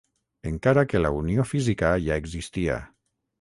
Encara que la unió física ja existia.